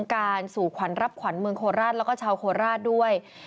การสู่ขวัญรับขวัญเมืองโคราชแล้วก็ชาวโคราชด้วย